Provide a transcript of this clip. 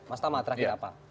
mas tama terakhir apa